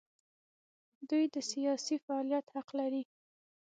دوی د سیاسي فعالیت حق لري.